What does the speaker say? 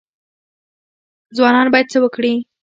ځوانان باید څه وکړي؟